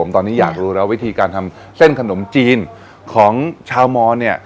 ตอนนี้อยากรู้แล้ววิธีการทำเส้นขนมจีนของชาวมอนเนี่ย